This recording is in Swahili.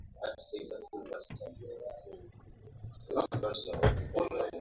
Hali ya uhuru wa vyombo vya habari Afrika Masharikihususani Tanzania